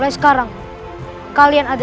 sekarang kalian berdua